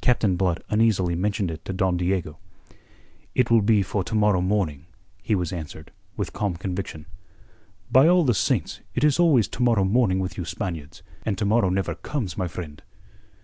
Captain Blood uneasily mentioned it to Don Diego. "It will be for to morrow morning," he was answered with calm conviction. "By all the saints, it is always 'to morrow morning' with you Spaniards; and to morrow never comes, my friend."